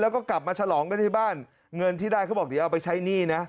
แล้วก็กลับมาฉลองกันที่บ้านเงินที่ได้เขาบอกเดี๋ยวเอาไปใช้หนี้นะ